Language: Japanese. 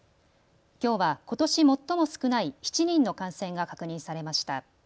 きょうはことし最も少ない７人の感染が確認されました。